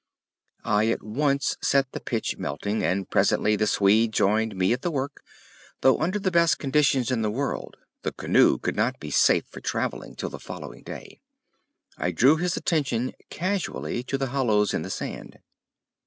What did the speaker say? I at once set the pitch melting, and presently the Swede joined me at the work, though under the best conditions in the world the canoe could not be safe for traveling till the following day. I drew his attention casually to the hollows in the sand.